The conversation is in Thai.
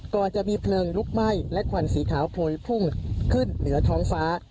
ก่อนจะมีเพลิงลุกไหม้และควันสีขาวโพยพุ่งขึ้นเหนือท้องฟ้า